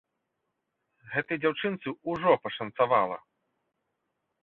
Гэтай дзяўчынцы ўжо пашанцавала.